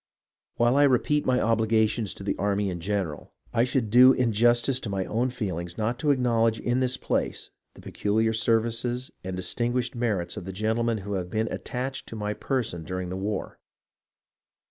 While I repeat my obligations to the army in general, I should do injustice to my own feelings, not to acknowledge in this place the peculiar services and distinguished merits of the gentlemen who have been attached to my person during the war.